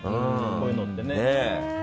こういうのってね。